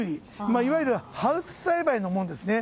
いわゆるハウス栽培のものですね。